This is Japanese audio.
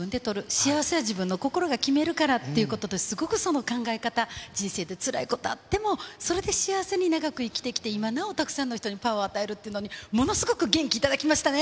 幸せは自分の心が決めるからっていうことって、すごくその考え方、人生でつらいことあっても、それで幸せに長く生きてきて、今なおたくさんの人にパワーを与えるっていうのに、ものすごく元気をもらいましたね。